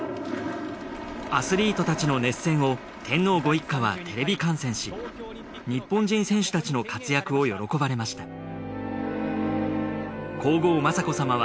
アスリートたちの熱戦を天皇ご一家はテレビ観戦し日本人選手たちの活躍を喜ばれました。